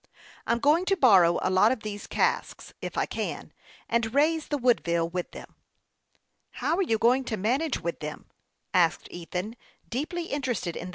I'm going to borrow a lot of these casks, if I can, and raise the Woodville with them." " How are you going to manage with them ?" asked Ethan, deeply interested in the plan.